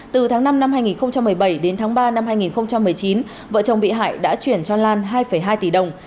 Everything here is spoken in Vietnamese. từ tháng năm năm hai nghìn một mươi bảy đến tháng ba năm hai nghìn một mươi chín vợ chồng bị hại đã chuyển cho lan hai hai tỷ đồng